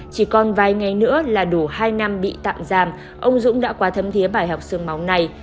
chỉ còn vài ngày nữa là đủ hai năm bị tạm giam ông dũng đã quá thấm thiế bài học sương máu này